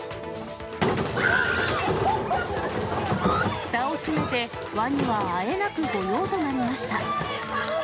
ふたを閉めて、ワニはあえなく御用となりました。